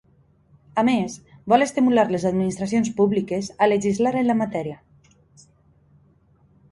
A més, vol estimular les administracions públiques a legislar en la matèria.